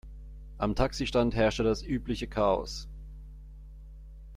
Am Taxistand herrschte das übliche Chaos.